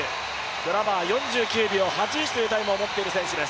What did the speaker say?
グラバーは４１秒８１というタイムを持っている選手です。